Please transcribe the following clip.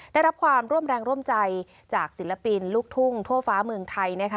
ได้รับความร่วมแรงร่วมใจจากศิลปินลูกทุ่งทั่วฟ้าเมืองไทยนะคะ